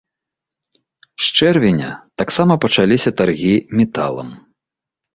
З чэрвеня таксама пачаліся таргі металам.